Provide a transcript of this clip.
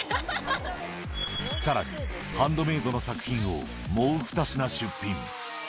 さらにハンドメイドの作品をもう２品出品。